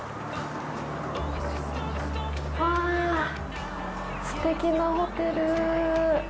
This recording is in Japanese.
わ、すてきなホテル。